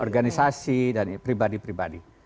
organisasi dan pribadi pribadi